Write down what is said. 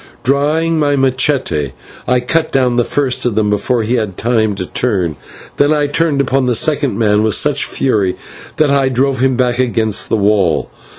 Drawing my /machete/, I cut down the first of them before he had time to turn, then I fell upon the second man with such fury that I drove him back against the wall.